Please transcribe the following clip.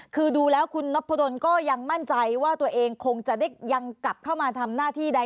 คือดูแล้วคุณนพดลก็ยังมั่นใจว่าตัวเองคงจะได้ยังกลับเข้ามาทำหน้าที่ใด